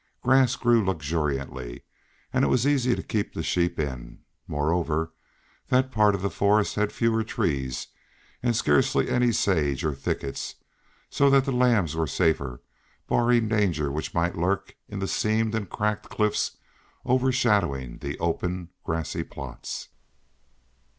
Grass grew luxuriantly and it was easy to keep the sheep in. Moreover, that part of the forest had fewer trees, and scarcely any sage or thickets, so that the lambs were safer, barring danger which might lurk in the seamed and cracked cliffs overshadowing the open grassy plots.